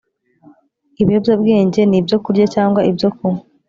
ibiyobyabwenge ni ibyo kurya cyangwa ibyo kunywa